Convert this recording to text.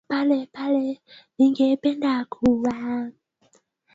Rais Paul Kagame anatambulika kwa namna anavyoweza kusimamia jambo lake